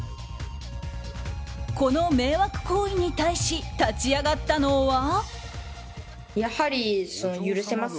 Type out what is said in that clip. この迷惑行為に対し立ち上がったのは。